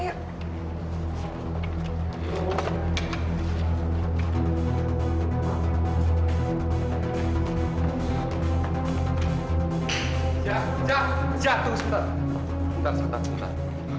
jatuh jatuh jatuh sebentar sebentar sebentar sebentar